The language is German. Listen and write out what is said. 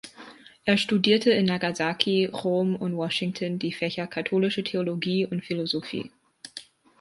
Er studierte in Nagasaki, Rom und Washington die Fächer Katholische Theologie und Philosophie.